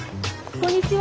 こんにちは。